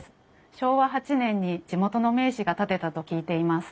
昭和８年に地元の名士が建てたと聞いています。